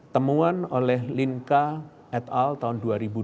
temuan oleh linka et al tahun dua ribu dua puluh